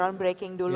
drone breaking dulu